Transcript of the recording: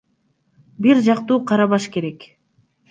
Бир жактуу карабаш керек.